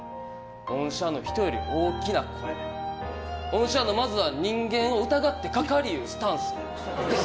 おんしゃの人より大きな声おんしゃのまずは人間を疑ってかかりゆうスタンス。